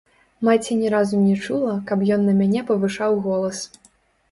Маці не разу не чула, каб ён на мяне павышаў голас.